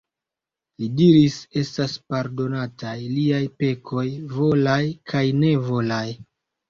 Li diris: "Estas pardonataj liaj pekoj volaj kaj nevolaj."